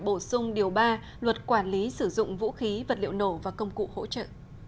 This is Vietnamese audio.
bổ sung điều ba luật quản lý sử dụng vũ khí vật liệu nổ và công cụ hỗ trợ